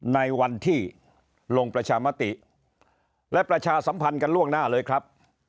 ในวันที่ลงประชามติและประชาสัมพันธ์กันล่วงหน้าเลยครับ